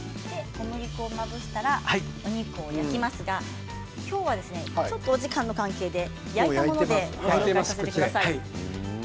小麦粉をまぶしたらお肉を焼きますが今日はちょっとお時間の関係で焼いたものにさせてください。